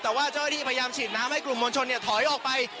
แต่ว่าเจ้าหน้าที่พยายามฉีดน้ำให้กลุ่มมวลชนถอยออกไป